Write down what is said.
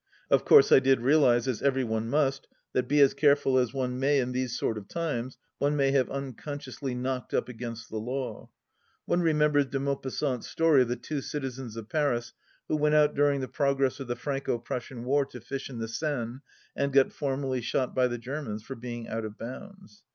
Of course I did realize, as every one must, that be as careful as one may in these sort of times, one may have unconsciously knocked up against the law. One remembers De Maupassant's story of the two citizens of Paris who went out during the progress of the Franco Prussian war to fish in the Seine, and got formally shot by the Germans for being out of bounds.